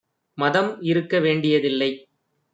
மதம் இருக்க வேண்டியதில்லை